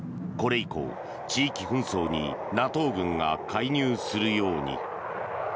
これ以降、地域紛争にＮＡＴＯ軍が介入するように。